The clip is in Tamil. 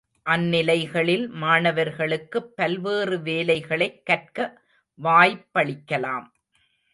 அந்நிலைகளில், மாணவர்களுக்குப் பல்வேறு வேலைகளைக் கற்க வாய்ப்பளிக்கலாம்.